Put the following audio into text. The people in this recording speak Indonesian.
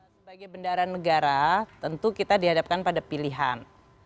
sebagai bendara negara tentu kita dihadapkan pada pilihan